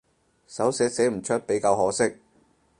手寫寫唔出比較可惜